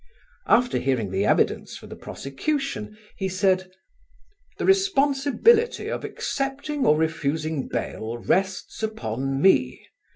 After hearing the evidence for the prosecution he said: "The responsibility of accepting or refusing bail rests upon me.